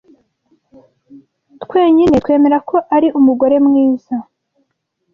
Twenyine twemera ko ari umugore mwiza.